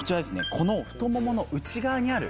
この太ももの内側にある筋肉です。